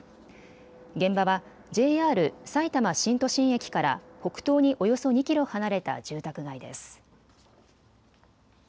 現場はＪＲさいたま新都心駅から北東におよそ２キロ離れた住宅街です。